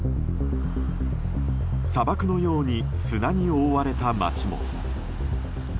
砂漠のように砂に覆われた街も。